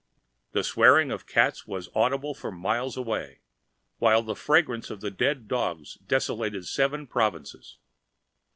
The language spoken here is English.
The swearing of the cats was audible miles away, while the fragrance of the dead dogs desolated seven provinces.